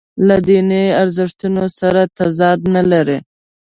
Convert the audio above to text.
له دیني ارزښتونو سره تضاد نه لري.